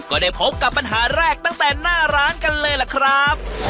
ก็ได้พบกับปัญหาแรกตั้งแต่หน้าร้านกันเลยล่ะครับ